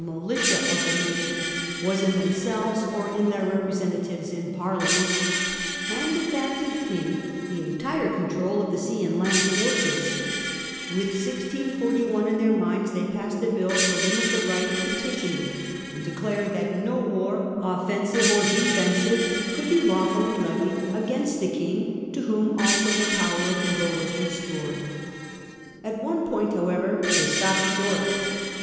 militia of the nation was in themselves or in their representatives in Parliament/ handed back to the King the entire control of the sea and land forces. With 1641 in their minds, they passed a bill to limit the g6 Triumph of Anglican Church, 1661. right of petitioning, and declared that no war, offensive or defensive, could be lawfully levied against the King, to whom also the power of veto was restored. At one point however they stopped short.